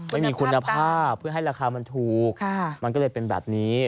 ไม่มีคุณภาพเพื่อให้ราคามันถูกมันก็เลยเป็นแบบนี้